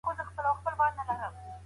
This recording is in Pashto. دا اپلیکیشن د مثبت بدلون لپاره دی.